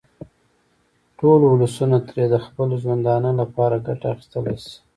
ټول ولسونه ترې د خپل ژوندانه لپاره ګټه اخیستلای شي.